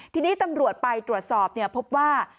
ทีนี้ตำรวจไปตรวจสอบพบว่า